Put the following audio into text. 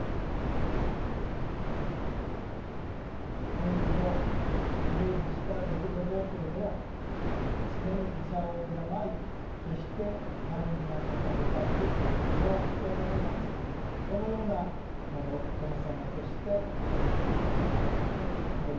賢治のイメージした「デクノボー」というのは常に他者を敬い決して軽んじなかった菩薩常不軽菩薩このような菩薩様として登場されていると。